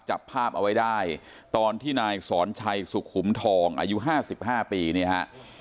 จับภาพเอาไว้ได้ตอนที่นายสอนชัยสุขุมทองอายุ๕๕ปีเนี่ยฮะ